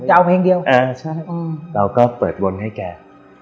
จะเอาเพลงเดียวกันเราก็เปิดวนให้แก